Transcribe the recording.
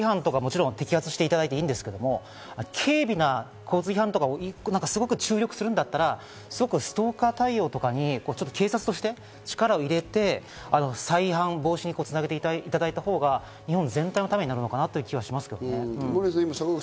重大な交通違反とか、もちろん摘発していただいていいんですけど、軽微な交通違反とかに注力するんだったら、すぐストーカー対応とかに警察として力を入れて、再犯防止につなげていただいたほうが日本全体のためになるのかなという気がしますね。